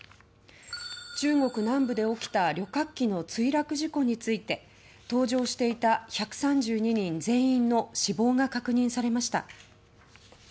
中国南部で起きた旅客機の墜落事故について搭乗していた１３２人全員の死亡が確認されました。